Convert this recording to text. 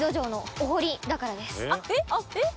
えっ！